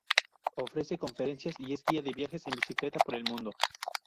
Ofrece conferencias y es guía de viajes en bicicleta por el mundo.